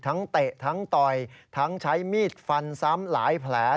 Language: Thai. เตะทั้งต่อยทั้งใช้มีดฟันซ้ำหลายแผล